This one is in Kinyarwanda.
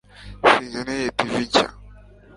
sinkeneye tv nshya